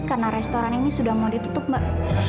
karena restoran ini sudah mau ditutup mbak